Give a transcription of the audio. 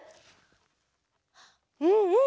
うんうん。